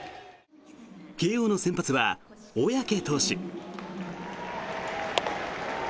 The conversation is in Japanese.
慶応の先発は小宅投手。